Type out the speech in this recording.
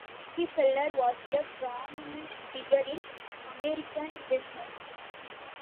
Rockefeller was a prominent figure in American business.